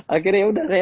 akhirnya ya sudah saya